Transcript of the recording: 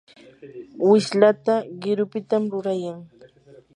wishlata qirupitam rurayan.